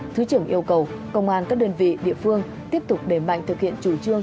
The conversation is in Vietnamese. thứ trưởng yêu cầu công an các đơn vị địa phương tiếp tục đẩy mạnh thực hiện chủ trương